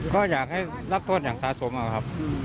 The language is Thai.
ก็อยากให้รับโทษอย่างสะสมนะครับ